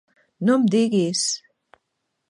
No em diguis!